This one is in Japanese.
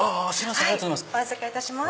ありがとうございます。